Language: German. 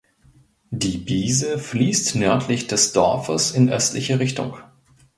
Die Biese fließt nördlich des Dorfes in östliche Richtung.